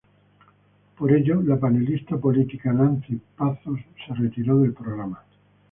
Por ello, la panelista política, Nancy Pazos, se retiró del programa.